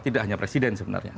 tidak hanya presiden sebenarnya